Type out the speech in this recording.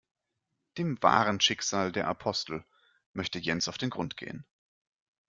Dem wahren Schicksal der Apostel möchte Jens auf den Grund gehen.